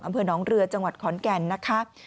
อำเภอน้องเรือจังหวัดขอนแก่นนะคะ